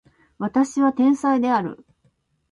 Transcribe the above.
私は天才である